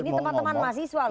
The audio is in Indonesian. ini teman teman mahasiswa loh